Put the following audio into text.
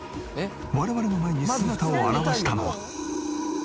我々の前に姿を現したのは。